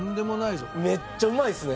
めっちゃうまいですね！